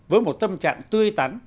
với một tâm trạng tươi tắn